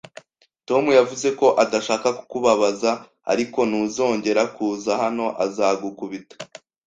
Tom yavuze ko adashaka kukubabaza, ariko nuzongera kuza hano, azagukubita